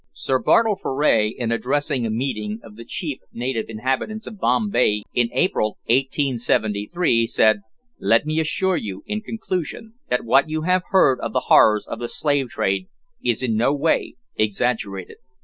Sir Bartle Frere, in addressing a meeting of the chief native inhabitants of Bombay in April 1873, said, "Let me assure you, in conclusion, that what you have heard of the horrors of the slave trade is in no way exaggerated.